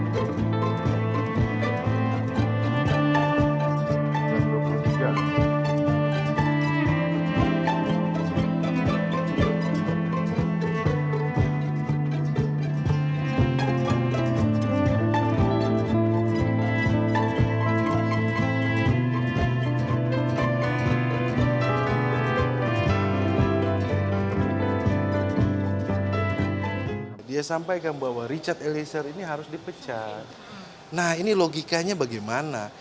terkomunikasi dengan negara negara